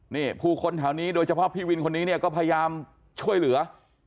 นี่ผู้คนแถวนี้โดยเฉพาะพี่วินคนนี้เนี่ยก็พยายามช่วยเหลือ